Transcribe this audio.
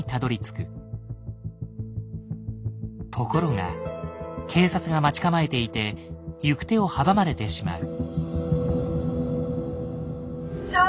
ところが警察が待ち構えていて行く手を阻まれてしまう。